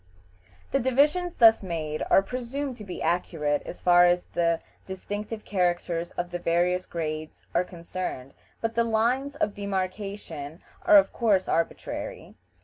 The divisions thus made are presumed to be accurate as far as the distinctive characters of the various grades are concerned, but the lines of demarkation are of course arbitrary.